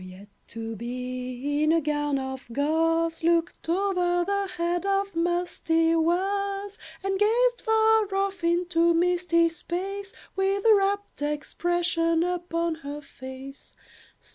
The Yet to be, in a gown of gauze, Looked over the head of musty Was, And gazed far off into misty space With a wrapt expression upon her face.